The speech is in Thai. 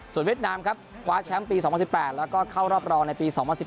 เวียดนามครับคว้าแชมป์ปี๒๐๑๘แล้วก็เข้ารอบรองในปี๒๐๑๘